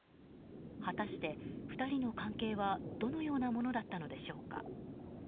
果たして２人の関係はどのようなものだったのでしょうか。